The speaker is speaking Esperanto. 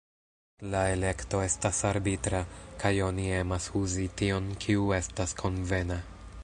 La elekto estas arbitra, kaj oni emas uzi tion kiu estas konvena.